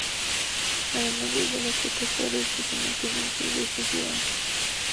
Además es de las pocas torres que se mantienen en pie en esta ciudad.